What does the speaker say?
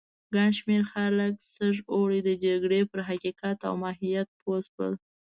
ګڼ شمېر خلک سږ اوړی د جګړې پر حقیقت او ماهیت پوه شول.